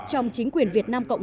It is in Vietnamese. trong chính quyền sài gòn